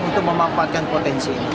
untuk memanfaatkan potensi ini